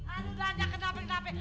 aduh udah nanya kenapa kenapa